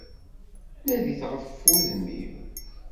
Nadit ɣef wudem-iw!